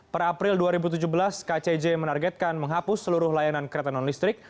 per april dua ribu tujuh belas kcj menargetkan menghapus seluruh layanan kereta non listrik